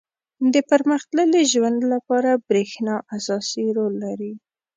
• د پرمختللي ژوند لپاره برېښنا اساسي رول لري.